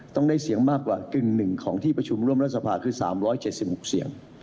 ต้องได้เสียงมากกว่ากึ่งหนึ่งของที่ประชุมร่วมรัฐสภาคือ๓๗๖เสียง